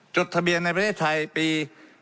จดทะเบียนในประเทศไทยปี